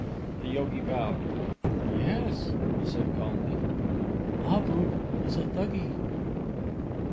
The yogi bowed. "Yes," he said, calmly; "Mahbub is Thuggee."